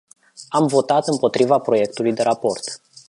Am votat împotriva proiectului de raport..